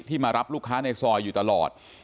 มารับลูกค้าในซอยอยู่ตลอด